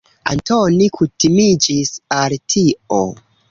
Antoni kutimiĝis al tio.